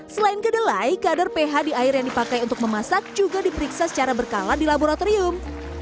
selain kedelai kadar ph di air yang dipakai untuk memasak juga diperiksa secara berkala di laboratorium